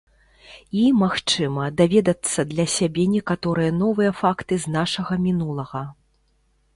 І, магчыма, даведацца для сябе некаторыя новыя факты з нашага мінулага.